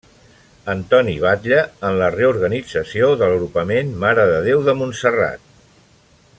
Antoni Batlle en la reorganització de l'Agrupament Mare de Déu de Montserrat.